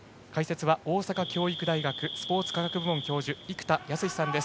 解説は大阪教育大学スポーツ科学部教授生田泰志さんです。